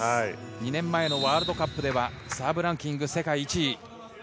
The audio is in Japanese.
２年前のワールドカップではサーブランキング世界一。